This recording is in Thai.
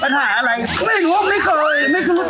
ปัญหาอะไรไม่รู้ไม่เคยไม่เคยรู้จัก